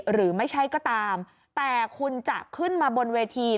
หรือไม่ใช่ก็ตามแต่คุณจะขึ้นมาบนเวที